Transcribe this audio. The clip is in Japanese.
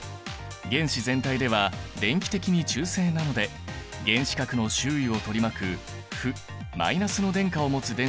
原子全体では電気的に中性なので原子核の周囲を取り巻く負−の電荷を持つ電子は２つ。